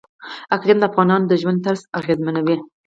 اقلیم د افغانانو د ژوند طرز اغېزمنوي.